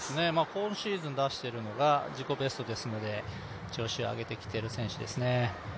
今シーズン出しているのが自己ベストですので調子を上げてきている選手ですね。